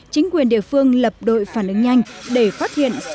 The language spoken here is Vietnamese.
chính quyền địa phương lập đội phản ứng nhanh để phát hiện